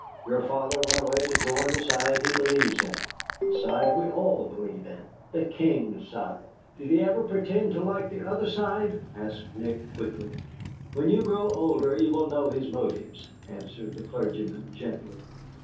Your father went away to join the side he believes in, the side we all believe in the King's side." "Did he ever pretend to like the other side?" asked Nick, quickly. "When you grow older you will know his motives," answered the clergyman, gently.